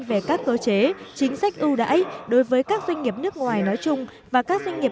về các cơ chế chính sách ưu đãi đối với các doanh nghiệp nước ngoài nói chung và các doanh nghiệp